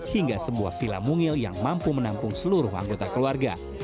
hingga sebuah villa mungil yang mampu menampung seluruh anggota keluarga